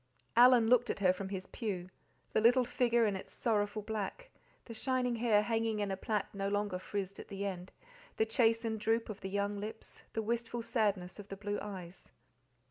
Alan looked at her from his pew the little figure in its sorrowful black, the shining hair hanging in a plait no longer frizzed at the end, the chastened droop of the young lips, the wistful sadness of the blue eyes.